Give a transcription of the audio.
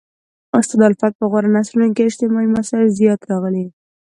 استاد الفت په غوره نثرونو کښي اجتماعي مسائل زیات راغلي.